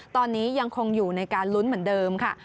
ตอนนี้ยังคงอยู่ในการลุ้นเหมือนเดิมค่ะ